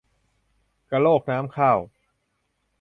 กระโรกน้ำข้าว